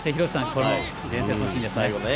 この伝説のシーンですね。